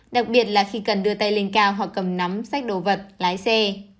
đặc biệt là khi cần đưa tay lên cao hoặc cầm nắm sách đồ vật lái xe